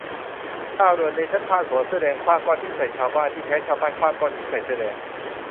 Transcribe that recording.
"ข่าวด่วน" : เนชั่นพาดหัว "เสื้อแดง" ขว้างก้อนหินใส่ชาวบ้าน ที่แท้ชาวบ้านขว้างก้อนหินใส่เสื้อแดง